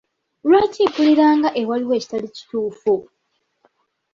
Lwaki mpulira nga ewaliwo ekitali kituufu?